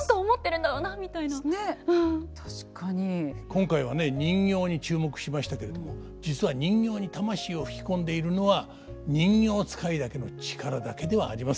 今回はね人形に注目しましたけれども実は人形に魂を吹き込んでいるのは人形遣いだけの力だけではありません。